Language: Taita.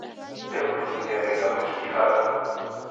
Ndekutumbuliagha ilagho jingi ado?